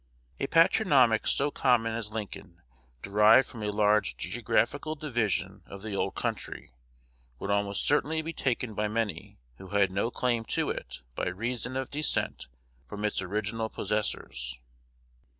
A patronymic so common as Lincoln, derived from a large geographical division of the old country, would almost certainly be taken by many who had no claim to it by reason of descent from its original possessors.